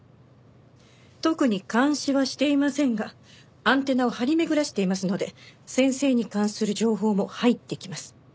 特に監視はしていませんがアンテナを張り巡らしていますので先生に関する情報も入ってきます。